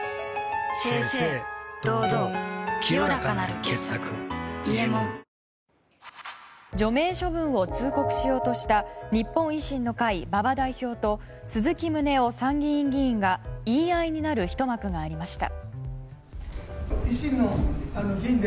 清々堂々清らかなる傑作「伊右衛門」除名処分を通告しようとした日本維新の会、馬場代表と鈴木宗男参議院議員が言い合いになるひと幕がありました。